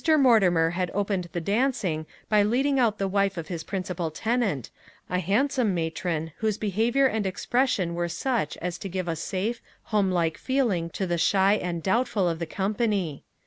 Mortimer had opened the dancing by leading out the wife of his principal tenant, a handsome matron, whose behavior and expression were such as to give a safe, home like feeling to the shy and doubtful of the company.